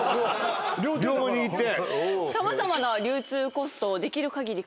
両方握って。